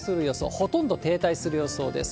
ほとんど停滞する予想です。